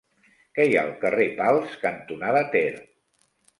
Què hi ha al carrer Pals cantonada Ter?